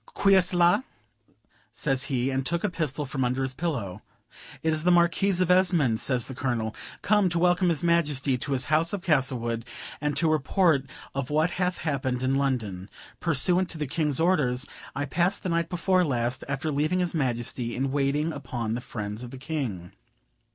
"Qui est la" says he, and took a pistol from under his pillow. "It is the Marquis of Esmond," says the Colonel, "come to welcome his Majesty to his house of Castlewood, and to report of what hath happened in London. Pursuant to the King's orders, I passed the night before last, after leaving his Majesty, in waiting upon the friends of the King.